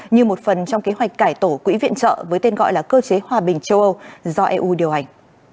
như một phần trong kế hoạch cải tổ quỹ viện trợ với tên gọi là cơ chế hòa bình châu âu do eu điều hành